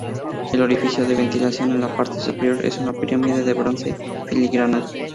El orificio de ventilación en la parte superior es una pirámide de bronce filigrana.